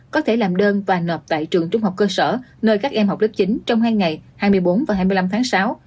có thể làm đơn và nộp tại trường trung học cơ sở nơi các em học lớp chín trong hai ngày hai mươi bốn và hai mươi năm tháng sáu